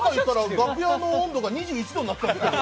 楽屋の温度が２１度になってた。